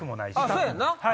そうやんな！